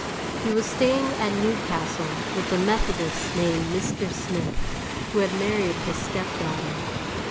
He was staying at Newcastle with a Methodist named Mr. Smith, who had married his step daughter.